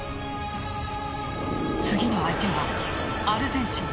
次の相手はアルゼンチン。